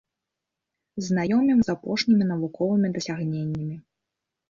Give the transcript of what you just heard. Знаёміў з апошнімі навуковымі дасягненнямі.